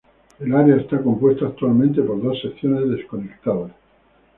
El área está compuesta actualmente por dos secciones desconectadas.